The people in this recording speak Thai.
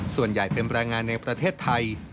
ส่วนใหญ่เป็นแรงงานในประเทศไทย